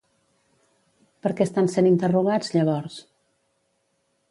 Per què estan sent interrogats, llavors?